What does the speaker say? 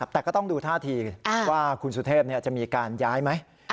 แต่ก็ต้องดูท่าทีว่าคุณสุเทพจะมีการย้ายไหม